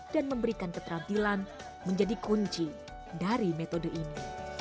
dan memberikan keterampilan menjadi kunci dari metode ini